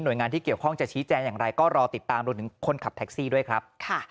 โดยงานที่เกี่ยวข้องจะชี้แจงอย่างไรก็รอติดตามรวมถึงคนขับแท็กซี่ด้วยครับ